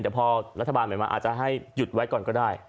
แต่พอรัฐบาลใหม่มาอาจจะให้หยุดไว้ก่อนก็ได้